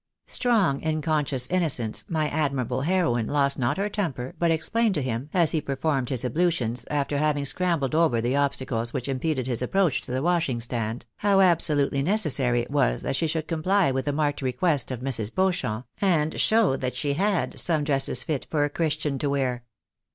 Strong in conscious innocence, my admirable heroine lost not her temper, but explained to him, as he performed his ablutions, after having scrambled over the obstacles which impeded his approach to the washing stand, how absolutely necessary it was that she should comply with the marked request of ]\Irs. Beauchamp, and show that she liad some dresses fit for a Christian to wear.